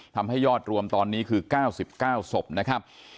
ทำให้ยอดรวมตอนนี้คือ๙๙ศพนะครับ